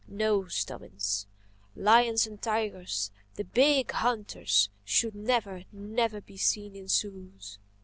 —No, Stubbins. Lions and tigers, the Big Hunters, should never, never be seen in zoos."